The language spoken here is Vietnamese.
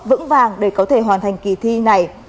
vững vàng để có thể hoàn thành kỳ thi này